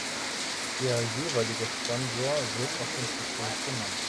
Der jeweilige Sponsor wird auf den Trikots genannt.